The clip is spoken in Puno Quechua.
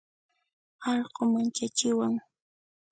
Alqu manchachiwan